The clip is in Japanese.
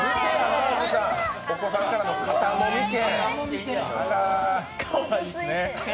お子さんからの肩もみ券。